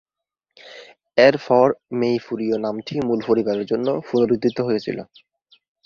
এরপর "মেইপুরীয়" নামটি মূল পরিবারের জন্য পুনরুত্থিত হয়েছিল।